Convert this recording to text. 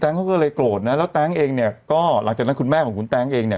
เขาก็เลยโกรธนะแล้วแต๊งเองเนี่ยก็หลังจากนั้นคุณแม่ของคุณแต๊งเองเนี่ย